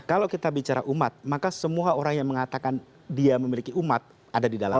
kalau kita bicara umat maka semua orang yang mengatakan dia memiliki umat ada di dalamnya